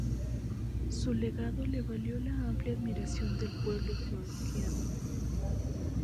Su legado le valió la amplia admiración del pueblo georgiano.